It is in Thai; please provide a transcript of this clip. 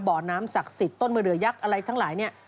บ่อน้ำศักดิ์สิทธิ์ต้นมะเดือยักษ์อะไรทั้งหลายเนี่ย